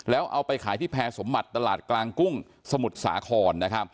แล้วเอาไปขายที่แพงสมมัติตลาดกลางกุ้งสมุดสาคร